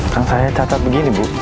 yang saya catat begini bu